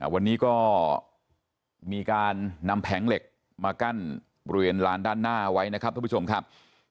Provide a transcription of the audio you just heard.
วันนี้ก็มีการนำแผงเหล็กมากั้นบริเวณลานด้านหน้าไว้นะครับทุกผู้ชมครับ